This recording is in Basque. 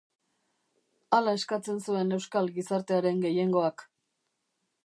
Hala eskatzen zuen euskal gizartearen gehiengoak.